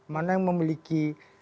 mana yang memiliki